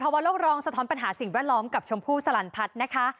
กฎติพวรรณโลกร้องสะท้อนปัญหาสิ่งแวดล้อมกับชมพู่สลันพัตรนะคะ